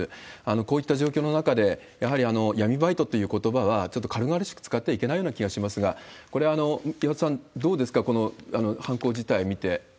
こういった状況の中でやはり闇バイトということばは、ちょっと軽々しく使ってはいけないような気がしますが、これは岩田さん、どうですか、この犯行自体見て。